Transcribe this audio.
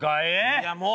いやもう！